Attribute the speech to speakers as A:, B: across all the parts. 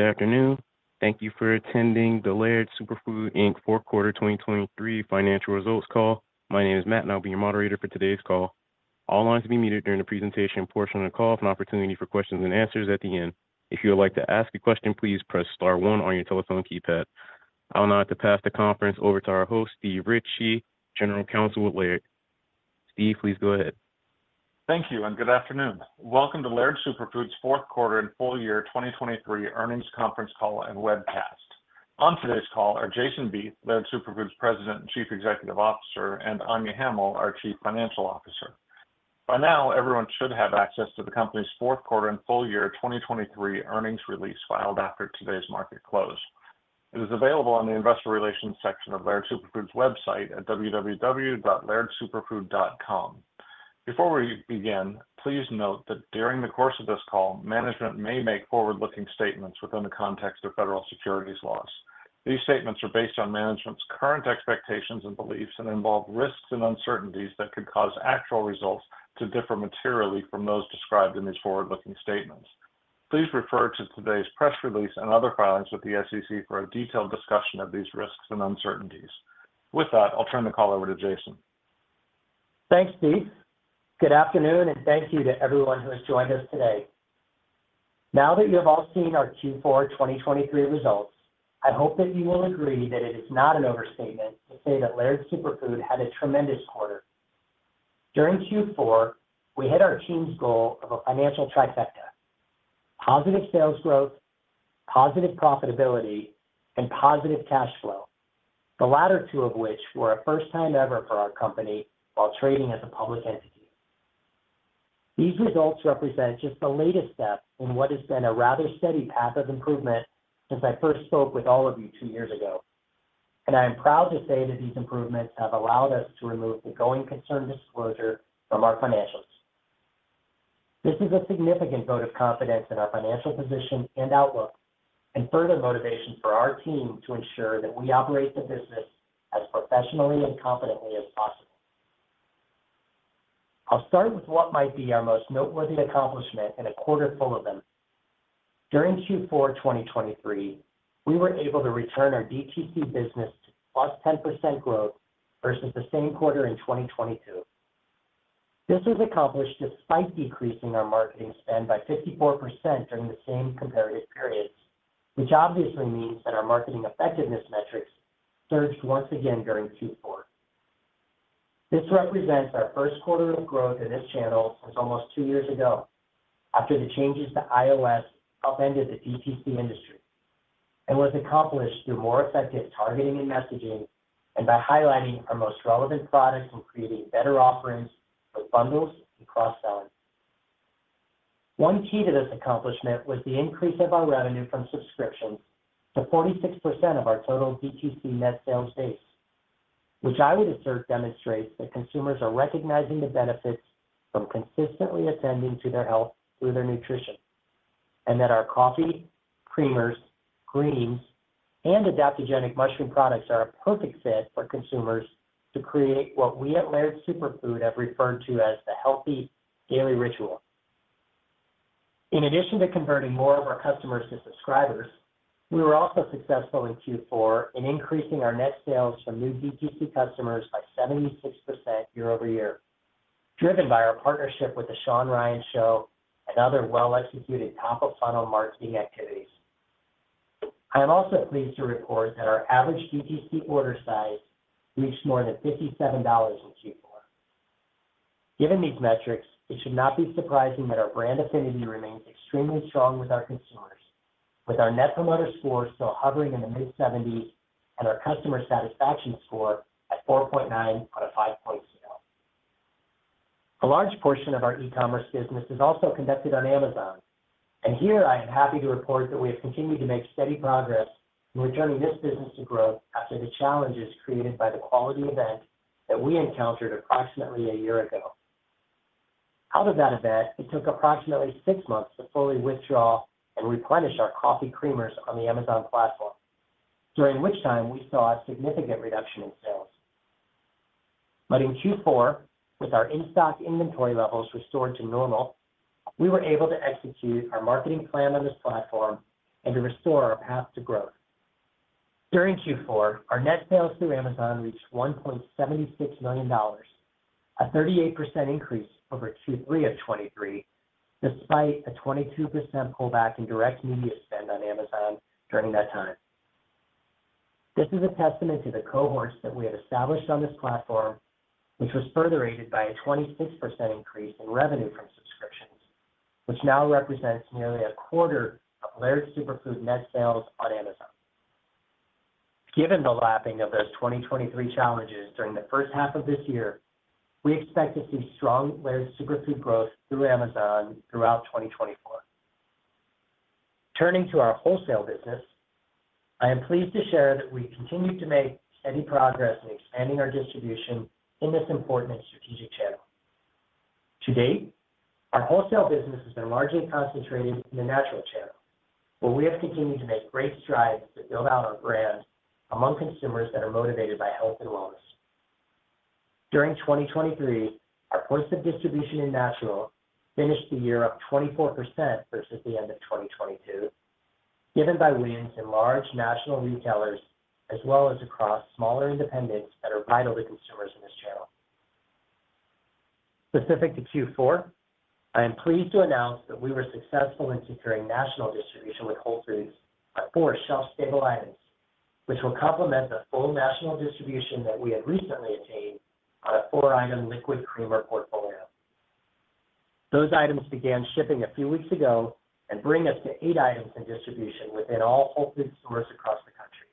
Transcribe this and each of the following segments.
A: Good afternoon. Thank you for attending the Laird Superfood Inc. fourth quarter 2023 financial results call. My name is Matt, and I'll be your operator for today's call. All lines will be muted during the presentation portion of the call with an opportunity for questions and answers at the end. If you would like to ask a question, please press star one on your telephone keypad. I'll now have to pass the conference over to our host, Steve Ritchie, General Counsel with Laird. Steve, please go ahead.
B: Thank you, and good afternoon. Welcome to Laird Superfood's fourth quarter and full year 2023 earnings conference call and webcast. On today's call are Jason Vieth, Laird Superfood's President and Chief Executive Officer, and Anya Hamill, our Chief Financial Officer. By now, everyone should have access to the company's fourth quarter and full year 2023 earnings release filed after today's market close. It is available on the investor relations section of Laird Superfood's website at www.lairdsuperfood.com. Before we begin, please note that during the course of this call, management may make forward-looking statements within the context of federal securities laws. These statements are based on management's current expectations and beliefs and involve risks and uncertainties that could cause actual results to differ materially from those described in these forward-looking statements. Please refer to today's press release and other filings with the SEC for a detailed discussion of these risks and uncertainties. With that, I'll turn the call over to Jason.
C: Thanks, Steve. Good afternoon, and thank you to everyone who has joined us today. Now that you have all seen our Q4 2023 results, I hope that you will agree that it is not an overstatement to say that Laird Superfood had a tremendous quarter. During Q4, we hit our team's goal of a financial trifecta, positive sales growth, positive profitability, and positive cash flow, the latter two of which were a first time ever for our company while trading as a public entity. These results represent just the latest step in what has been a rather steady path of improvement since I first spoke with all of you two years ago, and I am proud to say that these improvements have allowed us to remove the going concern disclosure from our financials. This is a significant vote of confidence in our financial position and outlook, and further motivation for our team to ensure that we operate the business as professionally and competently as possible. I'll start with what might be our most noteworthy accomplishment in a quarter full of them. During Q4 2023, we were able to return our DTC business to +10% growth versus the same quarter in 2022. This was accomplished despite decreasing our marketing spend by 54% during the same comparative periods, which obviously means that our marketing effectiveness metrics surged once again during Q4. This represents our first quarter of growth in this channel since almost two years ago, after the changes to iOS upended the DTC industry, and was accomplished through more effective targeting and messaging, and by highlighting our most relevant products and creating better offerings for bundles and cross-selling. One key to this accomplishment was the increase of our revenue from subscriptions to 46% of our total DTC net sales base, which I would assert demonstrates that consumers are recognizing the benefits from consistently attending to their health through their nutrition, and that our coffee, creamers, greens, and adaptogenic mushroom products are a perfect fit for consumers to create what we at Laird Superfood have referred to as the healthy daily ritual. In addition to converting more of our customers to subscribers, we were also successful in Q4 in increasing our net sales from new DTC customers by 76% year-over-year, driven by our partnership with the Shawn Ryan Show and other well-executed top-of-funnel marketing activities. I am also pleased to report that our average DTC order size reached more than $57 in Q4. Given these metrics, it should not be surprising that our brand affinity remains extremely strong with our consumers, with our Net Promoter Score still hovering in the mid-70s and our customer satisfaction score at 4.9 out of five points now. A large portion of our e-commerce business is also conducted on Amazon, and here I am happy to report that we have continued to make steady progress in returning this business to growth after the challenges created by the quality event that we encountered approximately a year ago. Out of that event, it took approximately 6 months to fully withdraw and replenish our coffee creamers on the Amazon platform, during which time we saw a significant reduction in sales. But in Q4, with our in-stock inventory levels restored to normal, we were able to execute our marketing plan on this platform and to restore our path to growth. During Q4, our net sales through Amazon reached $1.76 million, a 38% increase over Q3 of 2023, despite a 22% pullback in direct media spend on Amazon during that time. This is a testament to the cohorts that we have established on this platform, which was further aided by a 26% increase in revenue from subscriptions, which now represents nearly a quarter of Laird Superfood net sales on Amazon. Given the lapping of those 2023 challenges during the first half of this year, we expect to see strong Laird Superfood growth through Amazon throughout 2024. Turning to our wholesale business, I am pleased to share that we continue to make steady progress in expanding our distribution in this important and strategic channel. To date, our wholesale business has been largely concentrated in the natural channel, where we have continued to make great strides to build out our brand among consumers that are motivated by health and wellness. During 2023, our points of distribution in natural finished the year up 24% versus the end of 2022, driven by wins in large national retailers, as well as across smaller independents that are vital to consumers in this channel. Specific to Q4, I am pleased to announce that we were successful in securing national distribution with Whole Foods for our shelf-stable items, which will complement the full national distribution that we had recently attained on our 4-item liquid creamer portfolio. Those items began shipping a few weeks ago and bring us to 8 items in distribution within all Whole Foods stores across the country.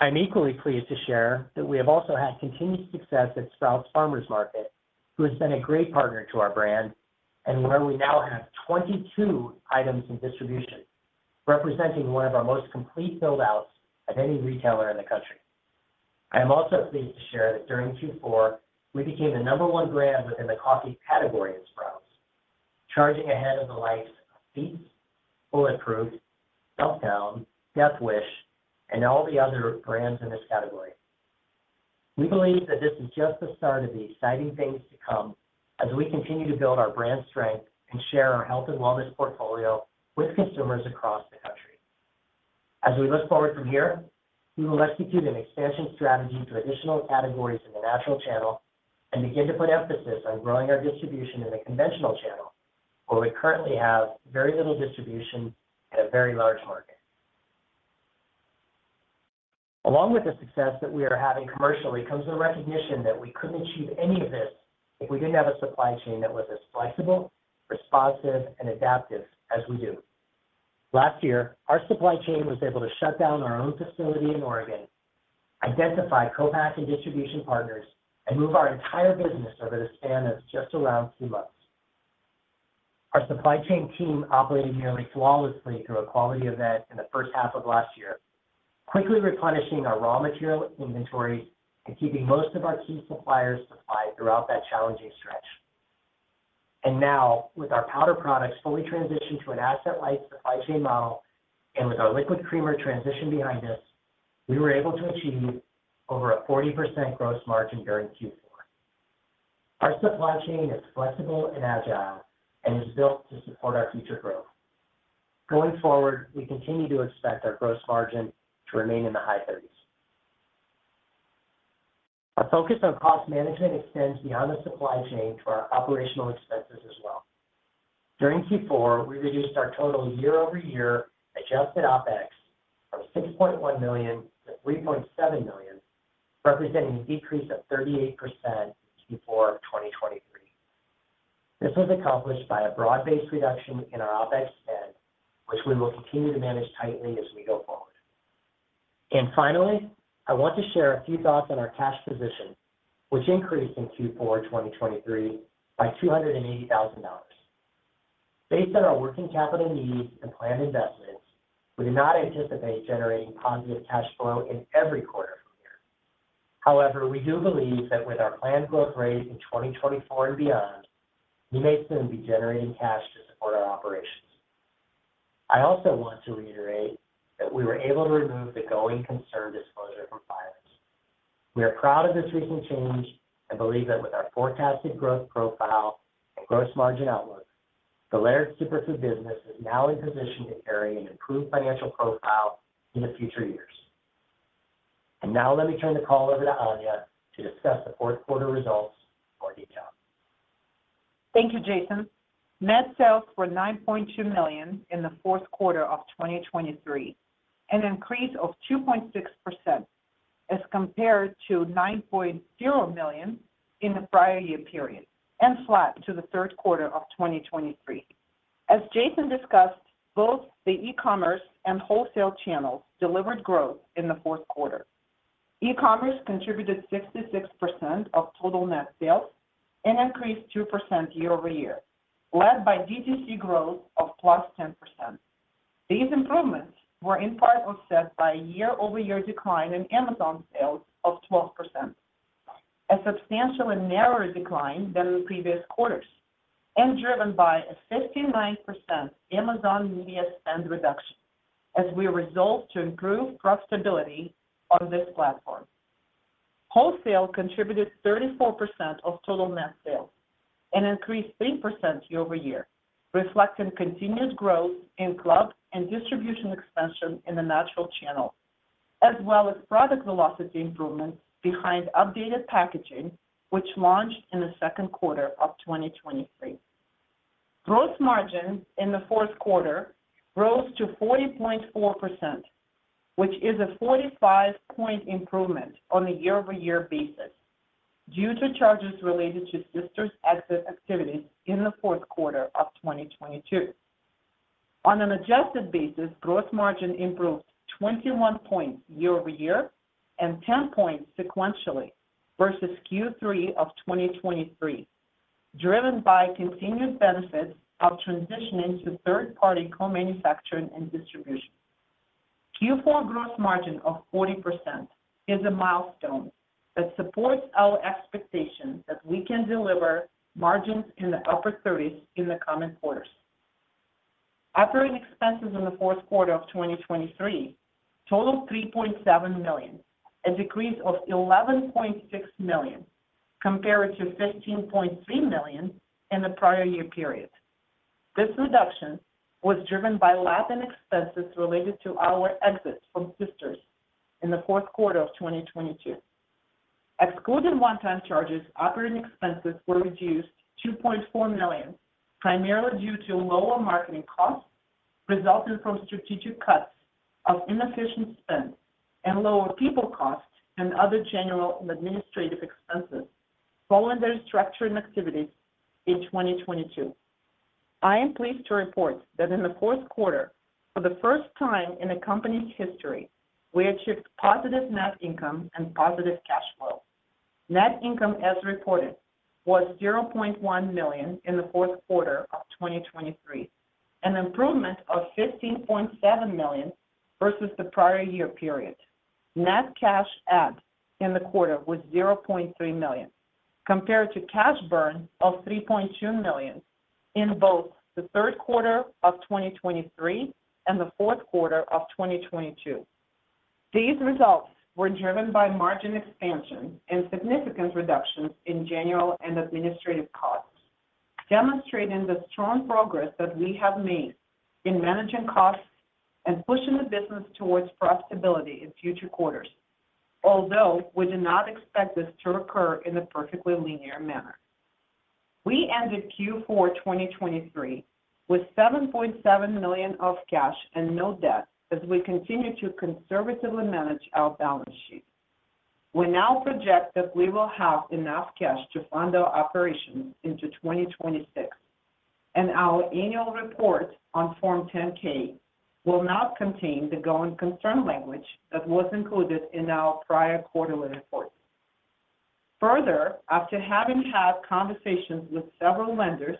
C: I'm equally pleased to share that we have also had continued success at Sprouts Farmers Market, who has been a great partner to our brand, and where we now have 22 items in distribution, representing one of our most complete build-outs of any retailer in the country. I am also pleased to share that during Q4, we became the number one brand within the coffee category at Sprouts, charging ahead of the likes of Peet's, Bulletproof, Stumptown, Death Wish, and all the other brands in this category. We believe that this is just the start of the exciting things to come as we continue to build our brand strength and share our health and wellness portfolio with consumers across the country. As we look forward from here, we will execute an expansion strategy to additional categories in the natural channel and begin to put emphasis on growing our distribution in the conventional channel, where we currently have very little distribution and a very large market. Along with the success that we are having commercially, comes the recognition that we couldn't achieve any of this if we didn't have a supply chain that was as flexible, responsive, and adaptive as we do. Last year, our supply chain was able to shut down our own facility in Oregon, identify co-pack and distribution partners, and move our entire business over the span of just around two months. Our supply chain team operated nearly flawlessly through a quality event in the first half of last year, quickly replenishing our raw material inventory and keeping most of our key suppliers supplied throughout that challenging stretch. Now, with our powder products fully transitioned to an asset-light supply chain model, and with our liquid creamer transition behind us, we were able to achieve over 40% gross margin during Q4. Our supply chain is flexible and agile and is built to support our future growth. Going forward, we continue to expect our gross margin to remain in the high 30s%. Our focus on cost management extends beyond the supply chain to our operational expenses as well. During Q4, we reduced our total year-over-year adjusted OpEx from $6.1 million-$3.7 million, representing a decrease of 38% Q4 of 2023. This was accomplished by a broad-based reduction in our OpEx spend, which we will continue to manage tightly as we go forward. And finally, I want to share a few thoughts on our cash position, which increased in Q4 2023 by $280,000. Based on our working capital needs and planned investments, we do not anticipate generating positive cash flow in every quarter from here. However, we do believe that with our planned growth rate in 2024 and beyond, we may soon be generating cash to support our operations. I also want to reiterate that we were able to remove the Going Concern disclosure from financials. We are proud of this recent change and believe that with our forecasted growth profile and gross margin outlook, the Laird Superfood business is now in position to carry an improved financial profile in the future years. And now let me turn the call over to Anya to discuss the fourth quarter results in more detail.
D: Thank you, Jason. Net sales were $9.2 million in the fourth quarter of 2023, an increase of 2.6% as compared to $9.0 million in the prior year period, and flat to the third quarter of 2023. As Jason discussed, both the e-commerce and wholesale channels delivered growth in the fourth quarter. E-commerce contributed 66% of total net sales and increased 2% year-over-year, led by D2C growth of +10%. These improvements were in part offset by a year-over-year decline in Amazon sales of 12%, a substantial and narrower decline than in previous quarters, and driven by a 59% Amazon media spend reduction, as we resolve to improve profitability on this platform. Wholesale contributed 34% of total net sales and increased 3% year-over-year, reflecting continued growth in club and distribution expansion in the natural channel, as well as product velocity improvements behind updated packaging, which launched in the second quarter of 2023. Gross margin in the fourth quarter rose to 40.4%, which is a 45-point improvement on a year-over-year basis due to charges related to Sisters' exit activities in the fourth quarter of 2022. On an adjusted basis, gross margin improved 21 points year-over-year and 10 points sequentially versus Q3 of 2023, driven by continued benefits of transitioning to third-party co-manufacturing and distribution. Q4 gross margin of 40% is a milestone that supports our expectation that we can deliver margins in the upper 30s in the coming quarters. Operating expenses in the fourth quarter of 2023 totaled $3.7 million, a decrease of $11.6 million compared to $15.3 million in the prior year period. This reduction was driven by one-time expenses related to our exit from Sisters in the fourth quarter of 2022. Excluding one-time charges, operating expenses were reduced $2.4 million, primarily due to lower marketing costs resulting from strategic cuts of inefficient spend and lower people costs, and other general and administrative expenses following their structuring activities in 2022. I am pleased to report that in the fourth quarter, for the first time in the company's history, we achieved positive net income and positive cash flow. Net income, as reported, was $0.1 million in the fourth quarter of 2023, an improvement of $15.7 million versus the prior year period. Net cash added in the quarter was $0.3 million, compared to cash burn of $3.2 million in both the third quarter of 2023 and the fourth quarter of 2022. These results were driven by margin expansion and significant reductions in general and administrative costs, demonstrating the strong progress that we have made in managing costs and pushing the business towards profitability in future quarters, although we do not expect this to occur in a perfectly linear manner. We ended Q4 2023 with $7.7 million of cash and no debt as we continue to conservatively manage our balance sheet. We now project that we will have enough cash to fund our operations into 2026, and our annual report on Form 10-K will not contain the going concern language that was included in our prior quarterly reports. Further, after having had conversations with several lenders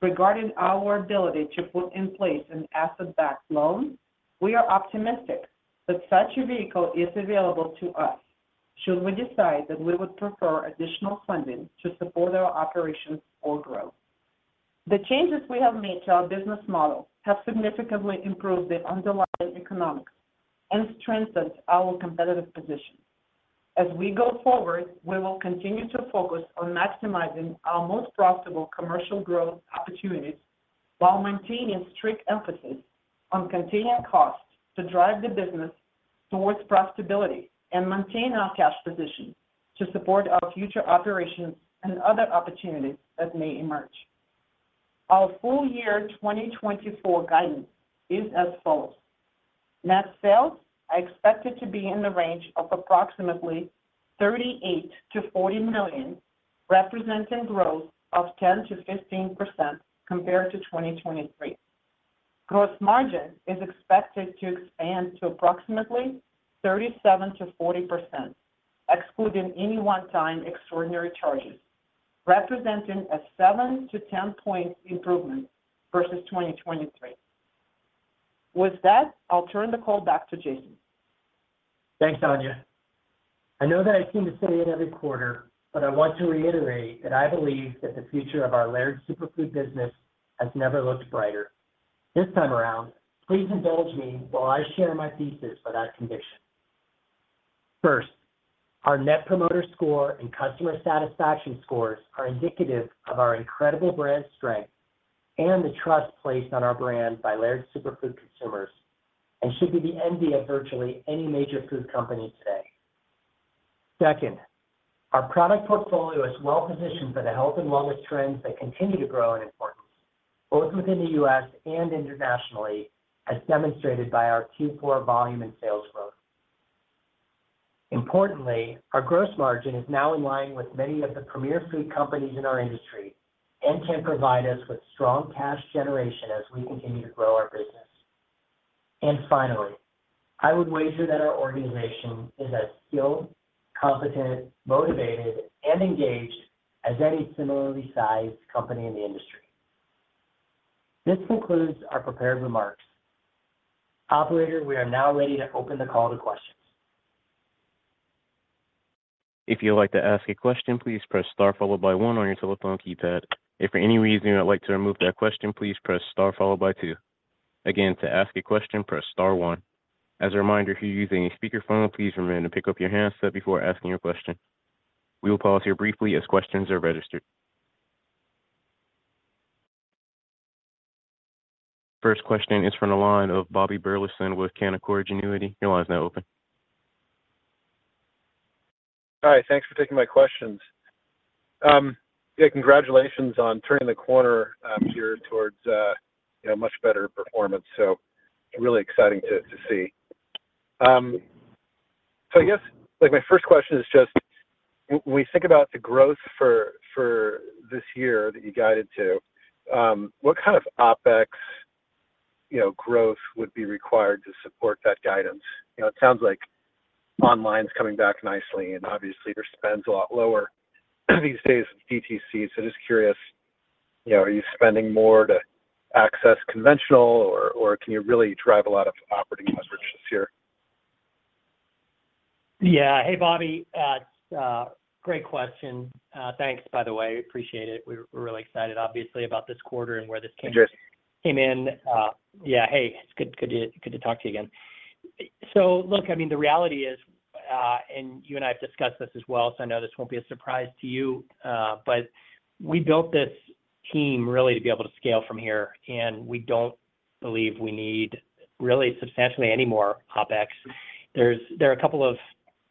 D: regarding our ability to put in place an asset-backed loan, we are optimistic that such a vehicle is available to us should we decide that we would prefer additional funding to support our operations or growth. The changes we have made to our business model have significantly improved the underlying economics and strengthened our competitive position. As we go forward, we will continue to focus on maximizing our most profitable commercial growth opportunities while maintaining strict emphasis on containing costs to drive the business towards profitability and maintain our cash position to support our future operations and other opportunities that may emerge. Our full year 2024 guidance is as follows: Net sales are expected to be in the range of approximately $38-$40 million, representing growth of 10%-15% compared to 2023. Gross margin is expected to expand to approximately 37%-40%, excluding any one-time extraordinary charges, representing a 7-10 point improvement versus 2023. With that, I'll turn the call back to Jason.
C: Thanks, Anya. I know that I seem to say it every quarter, but I want to reiterate that I believe that the future of our Laird Superfood business has never looked brighter. This time around, please indulge me while I share my thesis for that condition. First, our net promoter score and customer satisfaction scores are indicative of our incredible brand strength and the trust placed on our brand by Laird Superfood consumers and should be the envy of virtually any major food company today. Second, our product portfolio is well positioned for the health and wellness trends that continue to grow in importance, both within the U.S. and internationally, as demonstrated by our Q4 volume and sales growth. Importantly, our gross margin is now in line with many of the premier food companies in our industry and can provide us with strong cash generation as we continue to grow our business. Finally, I would wager that our organization is as skilled, competent, motivated, and engaged as any similarly sized company in the industry. This concludes our prepared remarks. Operator, we are now ready to open the call to questions.
A: If you'd like to ask a question, please press Star followed by one on your telephone keypad. If for any reason you'd like to remove that question, please press Star, followed by two. Again, to ask a question, press Star one. As a reminder, if you're using a speakerphone, please remember to pick up your handset before asking your question. We will pause here briefly as questions are registered. First question is from the line of Bobby Burleson with Canaccord Genuity. Your line is now open.
E: Hi, thanks for taking my questions. Yeah, congratulations on turning the corner here towards, you know, much better performance. So really exciting to see. So I guess, like my first question is just, when we think about the growth for this year that you guided to, what kind of OpEx, you know, growth would be required to support that guidance? You know, it sounds like online is coming back nicely, and obviously, your spend's a lot lower these days with DTC. So just curious, you know, are you spending more to access conventional or can you really drive a lot of operating leverage this year?...
C: Yeah. Hey, Bobby, great question. Thanks, by the way, appreciate it. We're really excited, obviously, about this quarter and where this came in.
E: Interesting.
C: Yeah. Hey, it's good to talk to you again. So look, I mean, the reality is, and you and I have discussed this as well, so I know this won't be a surprise to you, but we built this team really to be able to scale from here, and we don't believe we need really substantially any more OpEx. There are a couple of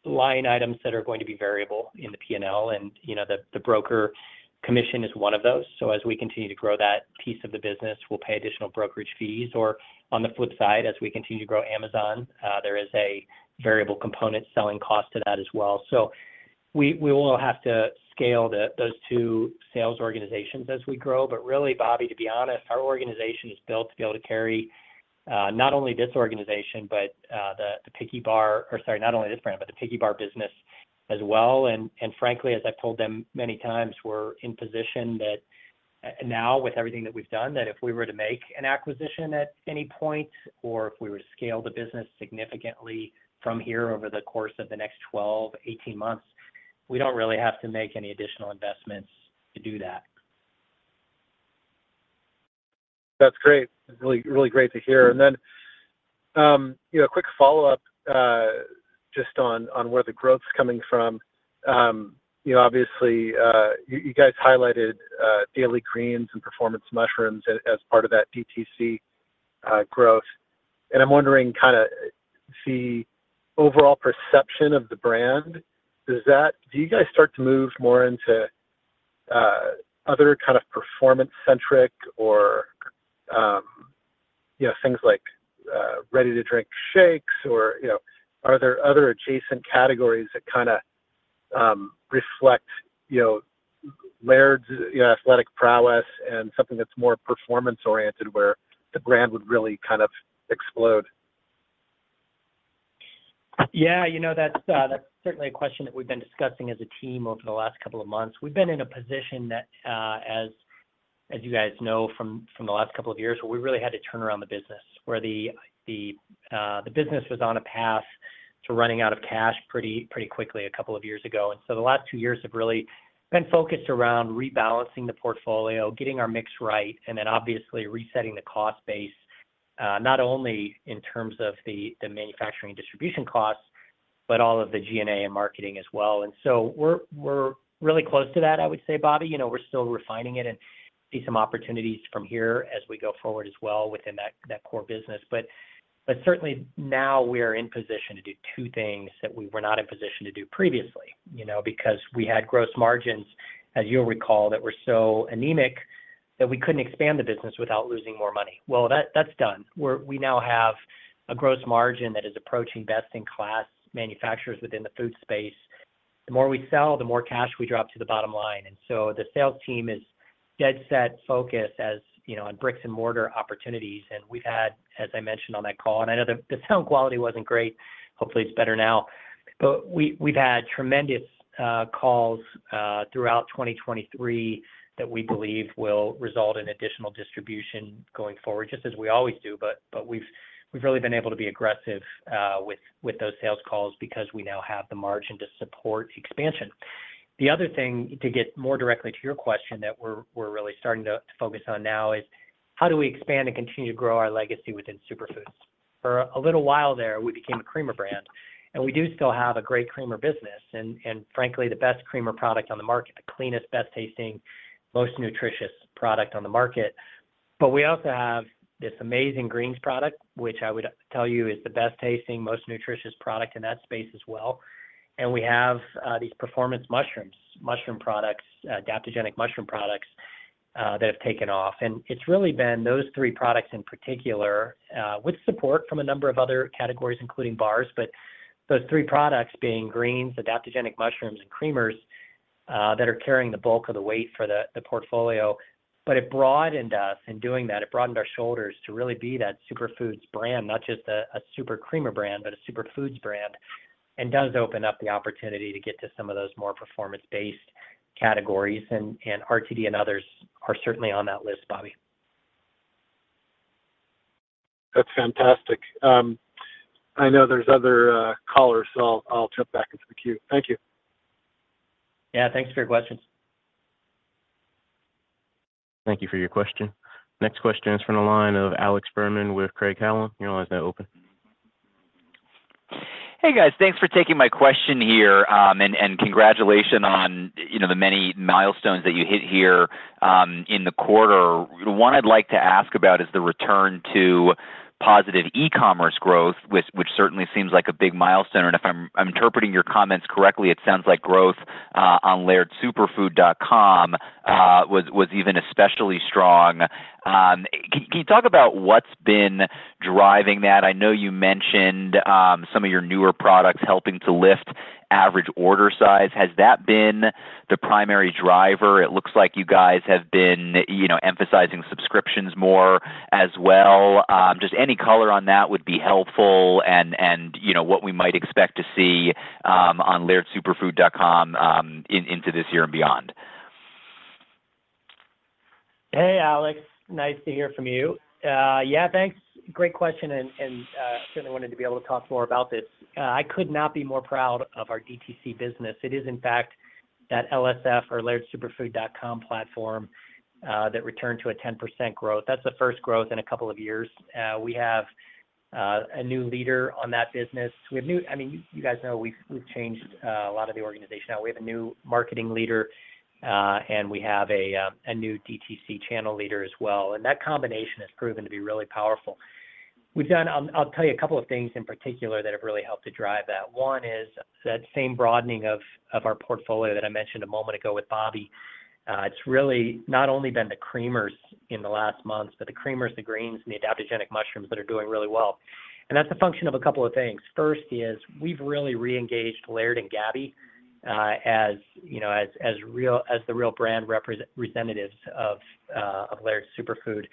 C: line items that are going to be variable in the P&L, and, you know, the broker commission is one of those. So as we continue to grow that piece of the business, we'll pay additional brokerage fees, or on the flip side, as we continue to grow Amazon, there is a variable component selling cost to that as well. So we will have to scale those two sales organizations as we grow. But really, Bobby, to be honest, our organization is built to be able to carry, not only this organization, but the Picky Bar... Or sorry, not only this brand, but the Picky Bar business as well. And frankly, as I've told them many times, we're in position that now, with everything that we've done, that if we were to make an acquisition at any point, or if we were to scale the business significantly from here over the course of the next 12, 18 months, we don't really have to make any additional investments to do that.
E: That's great. Really, really great to hear. And then, you know, a quick follow-up, just on where the growth's coming from. You know, obviously, you guys highlighted daily greens and performance mushrooms as part of that DTC growth. And I'm wondering, kinda, the overall perception of the brand, do you guys start to move more into other kind of performance-centric or, you know, things like ready-to-drink shakes or, you know... Are there other adjacent categories that kinda reflect, you know, Laird's, you know, athletic prowess and something that's more performance-oriented, where the brand would really kind of explode?
C: Yeah, you know, that's certainly a question that we've been discussing as a team over the last couple of months. We've been in a position that, as you guys know from the last couple of years, where we really had to turn around the business, where the business was on a path to running out of cash pretty quickly a couple of years ago. And so the last two years have really been focused around rebalancing the portfolio, getting our mix right, and then obviously resetting the cost base, not only in terms of the manufacturing distribution costs, but all of the G&A and marketing as well. And so we're really close to that, I would say, Bobby. You know, we're still refining it and see some opportunities from here as we go forward as well within that core business. But certainly now we are in position to do two things that we were not in position to do previously, you know, because we had gross margins, as you'll recall, that were so anemic that we couldn't expand the business without losing more money. Well, that's done. We now have a gross margin that is approaching best-in-class manufacturers within the food space. The more we sell, the more cash we drop to the bottom line, and so the sales team is dead set focused, as you know, on bricks and mortar opportunities. And we've had, as I mentioned on that call, and I know the sound quality wasn't great, hopefully it's better now. But we've had tremendous calls throughout 2023 that we believe will result in additional distribution going forward, just as we always do. But we've really been able to be aggressive with those sales calls because we now have the margin to support expansion. The other thing, to get more directly to your question, that we're really starting to focus on now is: how do we expand and continue to grow our legacy within superfoods? For a little while there, we became a creamer brand, and we do still have a great creamer business, and frankly, the best creamer product on the market. The cleanest, best tasting, most nutritious product on the market. But we also have this amazing greens product, which I would tell you is the best tasting, most nutritious product in that space as well. We have these performance mushrooms, mushroom products, adaptogenic mushroom products that have taken off. It's really been those three products in particular with support from a number of other categories, including bars. But those three products being greens, adaptogenic mushrooms, and creamers that are carrying the bulk of the weight for the portfolio. It broadened us. In doing that, it broadened our shoulders to really be that superfoods brand, not just a super creamer brand, but a superfoods brand, and does open up the opportunity to get to some of those more performance-based categories, and RTD and others are certainly on that list, Bobby.
E: That's fantastic. I know there's other callers, so I'll jump back into the queue. Thank you.
C: Yeah, thanks for your question.
A: Thank you for your question. Next question is from the line of Alex Fuhrman with Craig-Hallum. Your line is now open.
F: Hey, guys, thanks for taking my question here. Congratulations on, you know, the many milestones that you hit here, in the quarter. One I'd like to ask about is the return to positive e-commerce growth, which certainly seems like a big milestone, and if I'm interpreting your comments correctly, it sounds like growth on lairdsuperfood.com was even especially strong. Can you talk about what's been driving that? I know you mentioned some of your newer products helping to lift average order size. Has that been the primary driver? It looks like you guys have been, you know, emphasizing subscriptions more as well. Just any color on that would be helpful, and, you know, what we might expect to see on lairdsuperfood.com into this year and beyond....
C: Hey, Alex, nice to hear from you. Yeah, thanks. Great question, and certainly wanted to be able to talk more about this. I could not be more proud of our DTC business. It is, in fact, that LSF or lairdsuperfood.com platform that returned to a 10% growth. That's the first growth in a couple of years. We have a new leader on that business. I mean, you guys know, we've changed a lot of the organization. Now, we have a new marketing leader, and we have a new DTC channel leader as well, and that combination has proven to be really powerful. We've done... I'll tell you a couple of things in particular that have really helped to drive that. One is that same broadening of our portfolio that I mentioned a moment ago with Bobby. It's really not only been the creamers in the last months, but the creamers, the greens, and the adaptogenic mushrooms that are doing really well. And that's a function of a couple of things. First is, we've really reengaged Laird and Gabby, as you know, as the real brand representatives of Laird Superfood.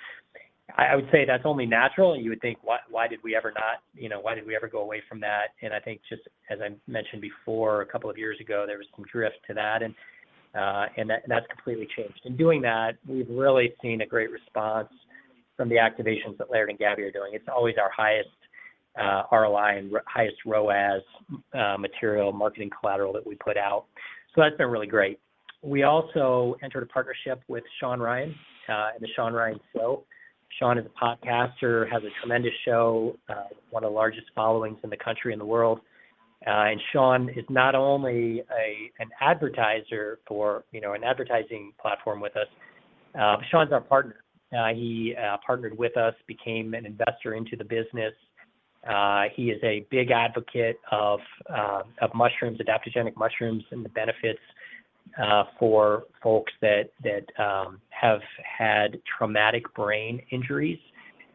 C: I would say that's only natural, and you would think, "Why, why did we ever not... You know, why did we ever go away from that?" And I think just as I mentioned before, a couple of years ago, there was some drift to that, and that that's completely changed. In doing that, we've really seen a great response from the activations that Laird and Gabby are doing. It's always our highest ROI and highest ROAS material marketing collateral that we put out. So that's been really great. We also entered a partnership with Shawn Ryan and the Shawn Ryan Show. Shawn is a podcaster, has a tremendous show, one of the largest followings in the country, in the world. And Shawn is not only an advertiser for, you know, an advertising platform with us, Shawn's our partner. He partnered with us, became an investor into the business. He is a big advocate of of mushrooms, adaptogenic mushrooms, and the benefits for folks that have had traumatic brain injuries,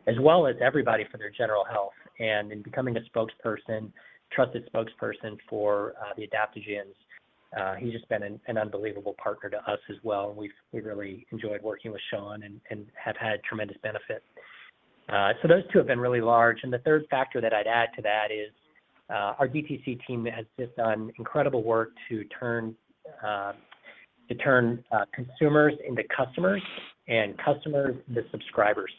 C: as well as everybody for their general health. And in becoming a spokesperson, trusted spokesperson for the adaptogens, he's just been an unbelievable partner to us as well. We've really enjoyed working with Shawn and have had tremendous benefit. So those two have been really large. And the third factor that I'd add to that is, our DTC team has just done incredible work to turn consumers into customers and customers to subscribers.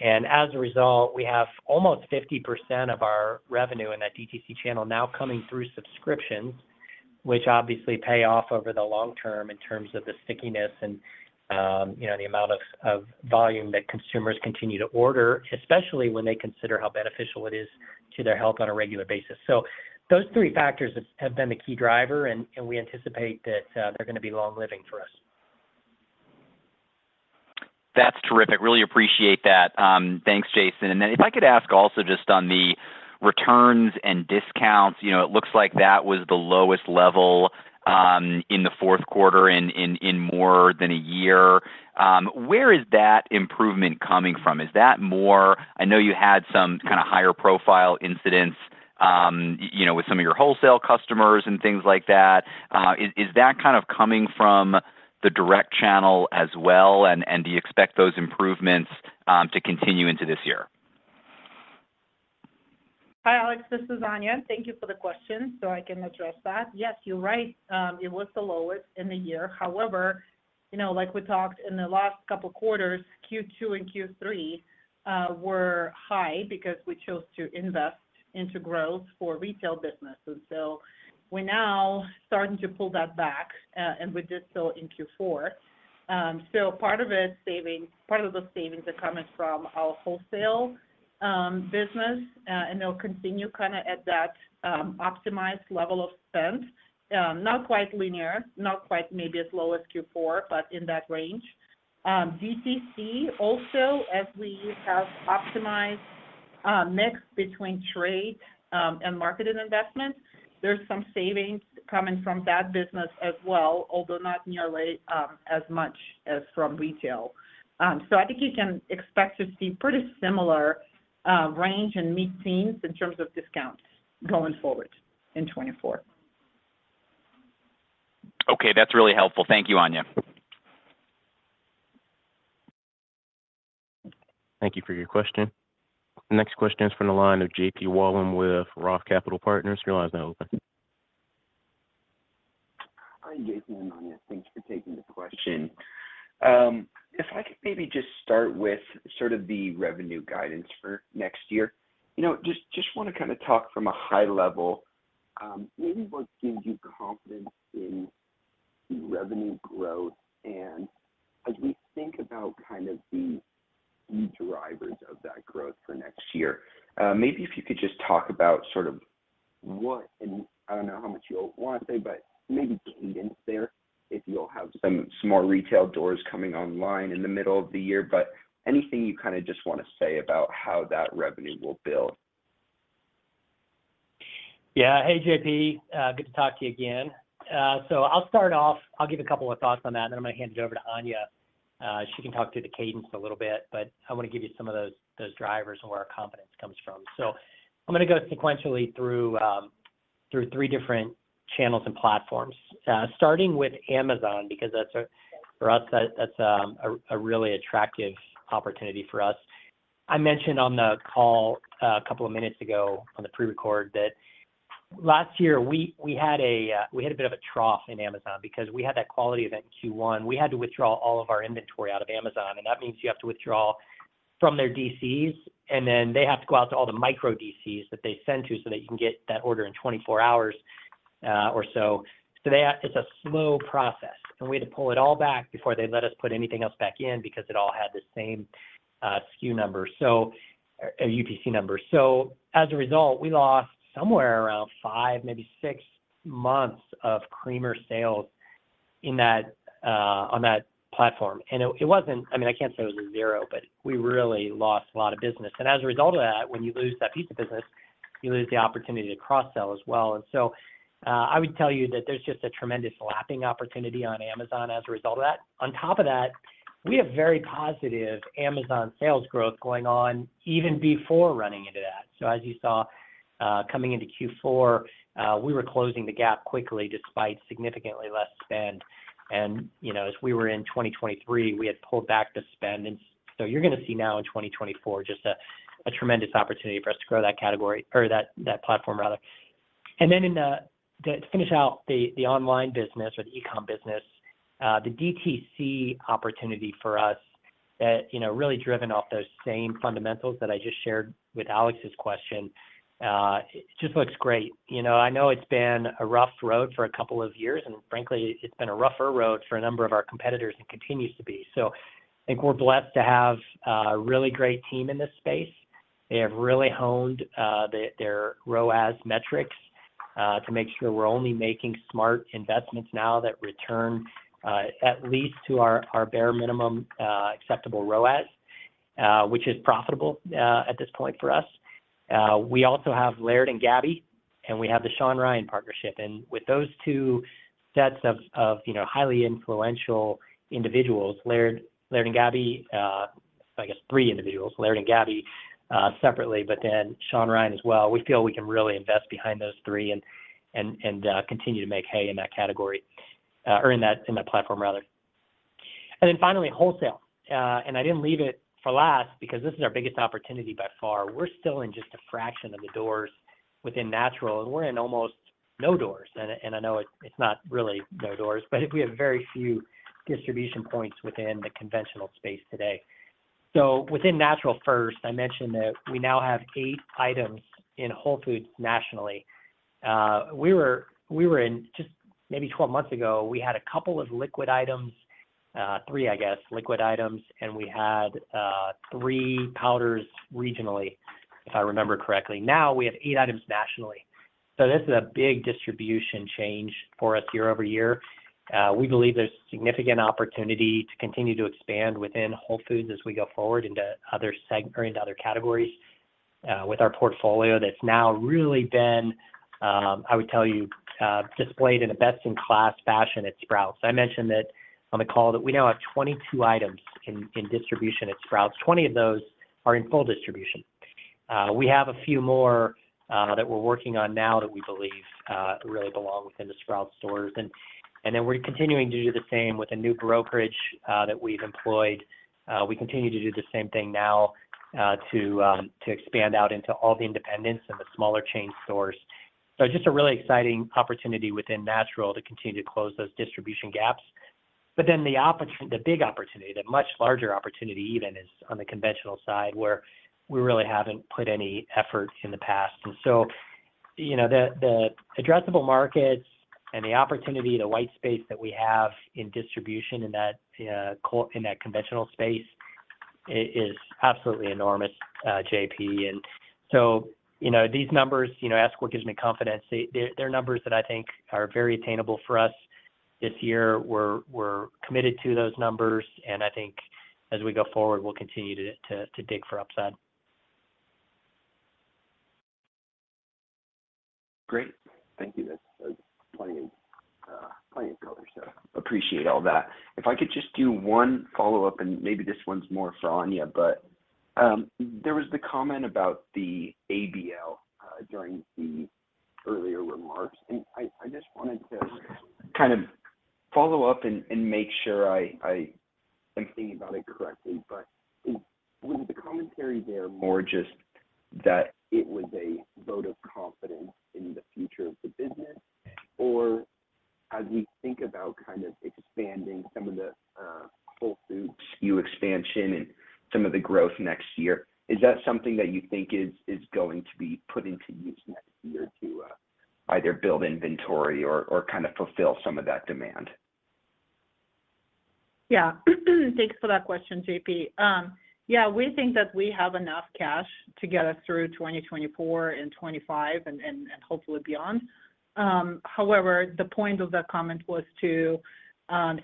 C: And as a result, we have almost 50% of our revenue in that DTC channel now coming through subscriptions, which obviously pay off over the long term in terms of the stickiness and, you know, the amount of volume that consumers continue to order, especially when they consider how beneficial it is to their health on a regular basis. So those three factors have been the key driver, and we anticipate that, they're gonna be long living for us.
F: That's terrific. Really appreciate that. Thanks, Jason. And then if I could ask also just on the returns and discounts, you know, it looks like that was the lowest level in the fourth quarter in more than a year. Where is that improvement coming from? Is that more? I know you had some kind of higher profile incidents, you know, with some of your wholesale customers and things like that. Is that kind of coming from the direct channel as well? And do you expect those improvements to continue into this year?
D: Hi, Alex. This is Anya. Thank you for the question, so I can address that. Yes, you're right. It was the lowest in the year. However, you know, like we talked in the last couple of quarters, Q2 and Q3 were high because we chose to invest into growth for retail business. And so we're now starting to pull that back, and we did so in Q4. So part of it. Part of the savings are coming from our wholesale business, and they'll continue kind of at that optimized level of spend. Not quite linear, not quite maybe as low as Q4, but in that range. DTC also, as we have optimized a mix between trade and marketed investment, there's some savings coming from that business as well, although not nearly as much as from retail. I think you can expect to see pretty similar range and meet teams in terms of discounts going forward in 2024.
F: Okay. That's really helpful. Thank you, Anya.
A: Thank you for your question. Next question is from the line of JP Wollam with Roth Capital Partners. Your line is now open.
G: Hi, Jason and Anya. Thanks for taking the question. If I could maybe just start with sort of the revenue guidance for next year. You know, just, just want to kind of talk from a high level, maybe what gives you confidence in the revenue growth? And as we think about kind of the key drivers of that growth for next year, maybe if you could just talk about sort of what, and I don't know how much you want to say, but maybe cadence there, if you'll have some, some more retail doors coming online in the middle of the year. But anything you kind of just want to say about how that revenue will build?
C: Yeah. Hey, JP, good to talk to you again. So I'll start off. I'll give a couple of thoughts on that, and then I'm going to hand it over to Anya. She can talk through the cadence a little bit, but I want to give you some of those, those drivers and where our confidence comes from. So I'm gonna go sequentially through through three different channels and platforms, starting with Amazon, because that's for us, that's a really attractive opportunity for us. I mentioned on the call a couple of minutes ago on the prerecord. Last year, we had a bit of a trough in Amazon because we had that quality event in Q1. We had to withdraw all of our inventory out of Amazon, and that means you have to withdraw from their DCs, and then they have to go out to all the micro DCs that they send to so that you can get that order in 24 hours, or so. So it's a slow process, and we had to pull it all back before they let us put anything else back in because it all had the same, SKU number, so, UPC number. So as a result, we lost somewhere around 5, maybe 6 months of creamer sales in that, on that platform. And it, it wasn't I mean, I can't say it was zero, but we really lost a lot of business. And as a result of that, when you lose that piece of business, you lose the opportunity to cross-sell as well. And so, I would tell you that there's just a tremendous lapping opportunity on Amazon as a result of that. On top of that, we have very positive Amazon sales growth going on, even before running into that. So as you saw, coming into Q4, we were closing the gap quickly despite significantly less spend. And, you know, as we were in 2023, we had pulled back the spend. And so you're gonna see now in 2024, just a, a tremendous opportunity for us to grow that category or that, that platform rather. And then in the, the to finish out the, the online business or the e-com business, the DTC opportunity for us that, you know, really driven off those same fundamentals that I just shared with Alex's question, it just looks great. You know, I know it's been a rough road for a couple of years, and frankly, it's been a rougher road for a number of our competitors and continues to be. So I think we're blessed to have a really great team in this space. They have really honed their ROAS metrics to make sure we're only making smart investments now that return at least to our bare minimum acceptable ROAS, which is profitable at this point for us. We also have Laird and Gabby, and we have the Shawn Ryan partnership. And with those two sets of you know, highly influential individuals, Laird, Laird and Gabby, I guess three individuals, Laird and Gabby separately, but then Shawn Ryan as well. We feel we can really invest behind those three and continue to make hay in that category, or in that platform rather. And then finally, wholesale. And I didn't leave it for last because this is our biggest opportunity by far. We're still in just a fraction of the doors within natural, and we're in almost no doors. And I know it's not really no doors, but we have very few distribution points within the conventional space today. So within natural first, I mentioned that we now have eight items in Whole Foods nationally. We were in just maybe 12 months ago, we had a couple of liquid items, three, I guess, liquid items, and we had three powders regionally, if I remember correctly. Now, we have eight items nationally. This is a big distribution change for us year-over-year. We believe there's significant opportunity to continue to expand within Whole Foods as we go forward into other segment or into other categories with our portfolio that's now really been, I would tell you, displayed in a best-in-class fashion at Sprouts. I mentioned that on the call that we now have 22 items in distribution at Sprouts. 20 of those are in full distribution. We have a few more that we're working on now that we believe really belong within the Sprouts stores. Then we're continuing to do the same with a new brokerage that we've employed. We continue to do the same thing now to expand out into all the independents and the smaller chain stores. So just a really exciting opportunity within natural to continue to close those distribution gaps. But then the opportunity, the big opportunity, the much larger opportunity even, is on the conventional side, where we really haven't put any effort in the past. And so, you know, the addressable markets and the opportunity, the white space that we have in distribution in that conventional space is absolutely enormous, JP. And so, you know, these numbers, you know, ask what gives me confidence. They're numbers that I think are very attainable for us this year. We're committed to those numbers, and I think as we go forward, we'll continue to dig for upside.
G: Great. Thank you. That's plenty of color, so appreciate all that. If I could just do one follow-up, and maybe this one's more for Anya, but there was the comment about the ABL during the earlier remarks. And I, I just wanted to kind of follow up and, and make sure I, I am thinking about it correctly, but was the commentary there more just that it was a vote of confidence in the future of the business? Or as we think about kind of expanding some of the Whole Foods SKU expansion and some of the growth next year, is that something that you think is going to be put into use next year to either build inventory or kind of fulfill some of that demand?
D: Yeah. Thanks for that question, JP. Yeah, we think that we have enough cash to get us through 2024 and 2025 and hopefully beyond. However, the point of that comment was to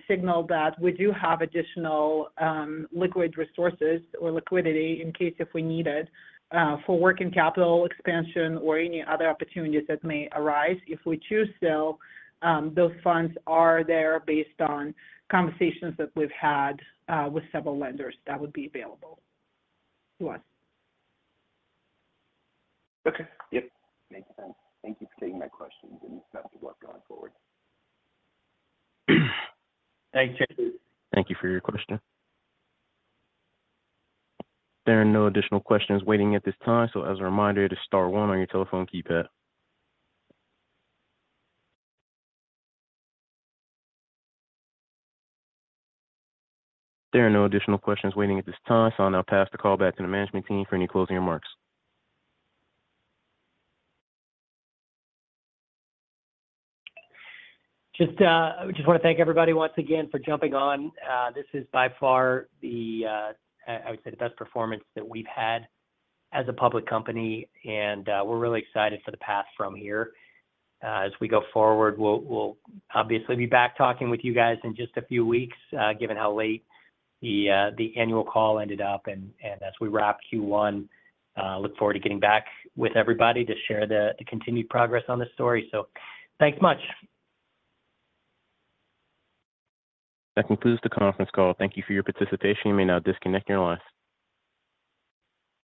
D: signal that we do have additional liquid resources or liquidity in case if we need it for working capital expansion or any other opportunities that may arise. If we choose so, those funds are there based on conversations that we've had with several lenders that would be available to us.
G: Okay. Yep, makes sense. Thank you for taking my questions, and best of luck going forward.
A: Thank you. Thank you for your question. There are no additional questions waiting at this time, so as a reminder, to star one on your telephone keypad. There are no additional questions waiting at this time, so I'll now pass the call back to the management team for any closing remarks.
C: Just, I just wanna thank everybody once again for jumping on. This is by far the, I would say, the best performance that we've had as a public company, and, we're really excited for the path from here. As we go forward, we'll obviously be back talking with you guys in just a few weeks, given how late the annual call ended up. And, as we wrap Q1, look forward to getting back with everybody to share the continued progress on this story. So thanks so much.
A: That concludes the conference call. Thank you for your participation. You may now disconnect your lines.